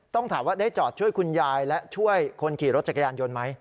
ต้องถามว่าได้จอดช่วยคุณยายและช่วยคนขี่รถจักรยานยนต์ไหม